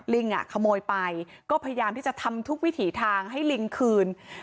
ขโมยไปก็พยายามที่จะทำทุกวิถีทางให้ลิงคืน